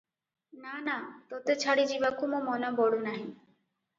ନା, ନା, ତୋତେ ଛାଡ଼ି ଯିବାକୁ ମୋ ମନ ବଳୁ ନାହିଁ ।"